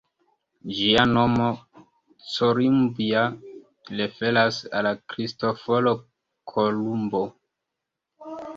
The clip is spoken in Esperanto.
Ĝia nomo, ""Columbia"", referas al Kristoforo Kolumbo.